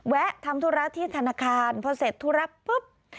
ทำธุระที่ธนาคารพอเสร็จธุระปุ๊บ